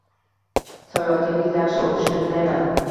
Sayohatingiz yaxshi o’tishini tilayman!